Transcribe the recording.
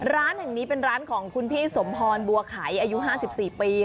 ร้านแห่งนี้เป็นร้านของคุณพี่สมพรบัวไขอายุ๕๔ปี